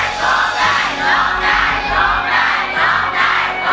โทษให้โทษให้โทษให้โทษให้โทษให้